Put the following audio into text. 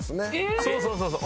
そうそうそうそう。